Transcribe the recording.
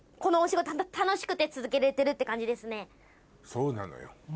そうなのよ。